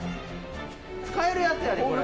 使えるやつやでこれ。